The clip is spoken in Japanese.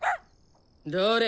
どれ！